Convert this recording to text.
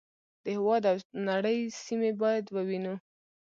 د هېواد او نړۍ سیمې باید ووینو.